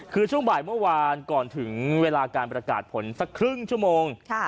คือช่วงบ่ายเมื่อวานก่อนถึงเวลาการประกาศผลสักครึ่งชั่วโมง